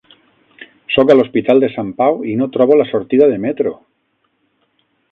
Sóc a l'Hospital de Sant Pau i no trobo la sortida de metro!